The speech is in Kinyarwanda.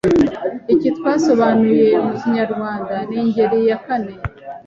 Iki twasobanuye mu kinyarwanda ni ingeri ya kane